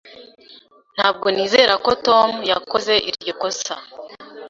Ntabwo nizera ko Tom yakoze iryo kosa.